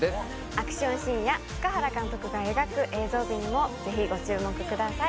アクションシーンや塚原監督が描く映像美にもぜひご注目ください